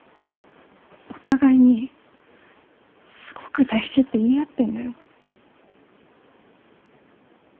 お互いにすごく大事って言い合ってんだよ？